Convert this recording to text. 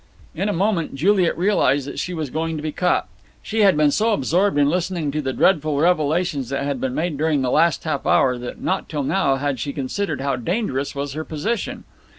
In a moment Juliet realized that she was going to be caught. She had been so absorbed in listening to the dreadful revelations that had been made during the last half hour that not till now had she considered how dangerous was her position.